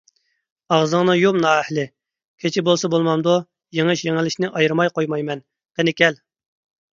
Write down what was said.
ئاغزىڭنى يۇم نائەھلى! كېچە بولسا بولمامدۇ، يېڭىش - يېڭىلىشنى ئايرىماي قويمايمەن، قېنى كەل!